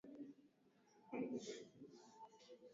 yataja tarehe ya uchaguzi mkuu wa nchi hiyo